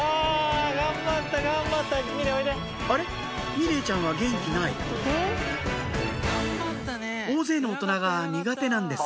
美玲ちゃんは元気ない大勢の大人が苦手なんです